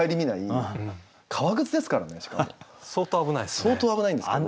相当危ないですよね。